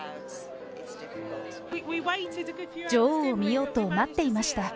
女王を見ようと待っていました。